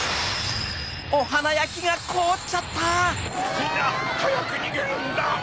・みんなはやくにげるんだ！